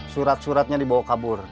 surat suratnya dibawa kabur